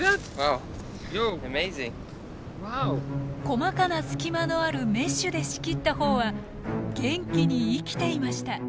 細かな隙間のあるメッシュで仕切った方は元気に生きていました。